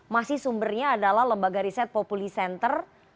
masih sumbernya adalah lembaga riset populi center